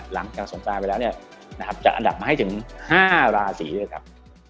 หลังจากสงครานไปแล้วจะอันดับมาให้ถึง๕ราศีด้วยครับ